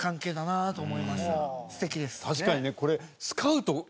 確かにねこれ。